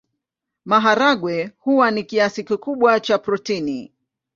Maharagwe huwa na kiasi kikubwa cha protini.